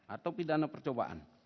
atau pidana percobaan